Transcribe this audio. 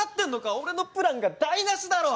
俺のプランが台なしだろう。